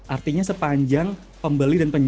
artinya sepanjang pembeli dan penjual